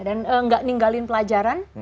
dan nggak ninggalin pelajaran